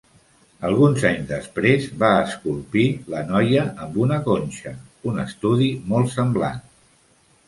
Alguns anys després va esculpir la Noia amb una conxa, un estudi molt semblant.